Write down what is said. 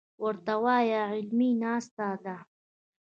ورته وايه علمي ناسته ده.